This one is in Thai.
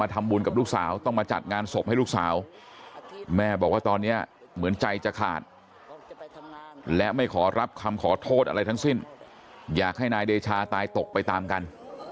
ทั้งสิ้นอยากให้นายเดชาตายตกไปตามกัน